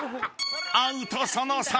［アウトその３。